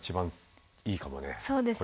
そうですね。